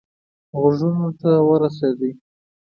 غوږونو ته ورسېدی.